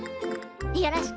よろしく！